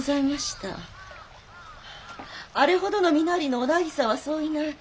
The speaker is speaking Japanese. あれほどの身なりのお内儀さんはそういない。